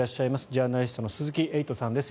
ジャーナリストの鈴木エイトさんです。